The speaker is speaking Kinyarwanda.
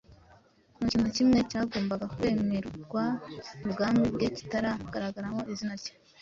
Nta kintu na kimwe cyagombaga kwemerwa mu bwami bwe kitagaragaramo izina rye